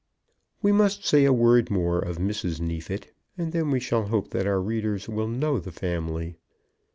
We must say a word more of Mrs. Neefit, and then we shall hope that our readers will know the family.